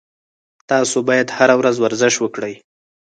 تاسو باید هر ورځ ورزش وکړئ